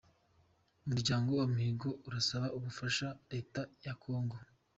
Umuryango wa mihigo urasaba ubufasha Leta ya kongo